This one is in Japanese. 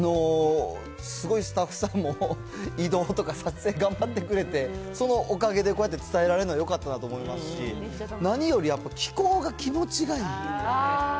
すごいスタッフさんも、移動とか撮影、頑張ってくれて、そのおかげでこうやって伝えられるの、よかったなと思いますし、何よりやっぱり気候が気持ちがいい。